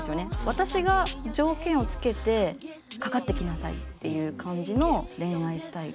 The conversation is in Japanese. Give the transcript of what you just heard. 私が条件をつけてかかってきなさいっていう感じの恋愛スタイル。